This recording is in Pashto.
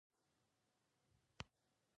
یو ښه ملګری د زرګونو کتابتونونو سره برابر دی.